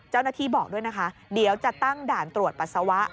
เจ้าหน้าที่บอกด้วยนะคะเดี๋ยวจะตั้งด่านตรวจปัสสาวะ